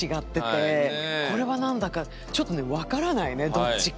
これはなんだかちょっとねわからないねどっちか。